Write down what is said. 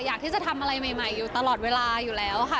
อยากที่จะทำอะไรใหม่อยู่ตลอดเวลาอยู่แล้วค่ะ